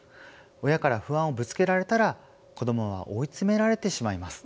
親から不安をぶつけられたら子どもは追い詰められてしまいます。